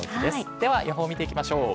では予報を見ていきましょう。